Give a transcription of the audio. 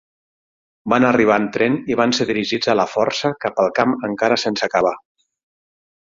Van arribar en tren i van ser dirigits a la força cap al camp encara sense acabar.